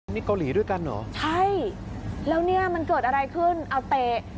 นี่เกาหลีด้วยกันเหรอใช่แล้วเนี่ยมันเกิดอะไรขึ้นเอาเตะ